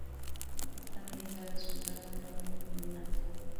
Esta medida resultó en un doble fulminante.